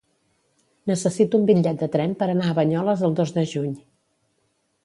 Necessito un bitllet de tren per anar a Banyoles el dos de juny.